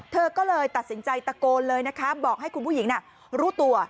เธอก็เลยตัดสินใจตะโกนเลยนะคะบอกให้คุณผู้หญิงรู้ตัว